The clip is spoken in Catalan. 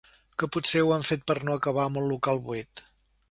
Que potser ho han fet per no acabar amb el local buit?